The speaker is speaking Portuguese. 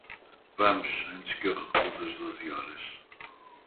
Vamos, antes que eu recuse as doze horas.